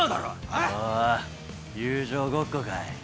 おお友情ごっこかい。